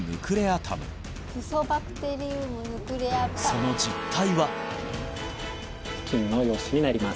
その実体は？